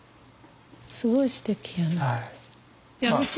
すごいすてきやな。